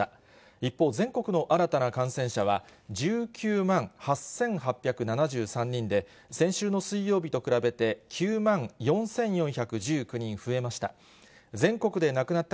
一方、全国の新たな感染者は１９万８８７３人で、先週の水曜日と比べて９万４４１９人増えました。